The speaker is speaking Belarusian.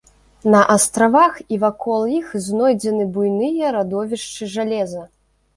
На астравах і вакол іх знойдзены буйныя радовішчы жалеза.